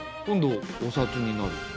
今度お札になる。